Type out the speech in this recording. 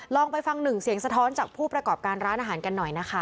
ลองไปฟังหนึ่งเสียงสะท้อนจากผู้ประกอบการร้านอาหารกันหน่อยนะคะ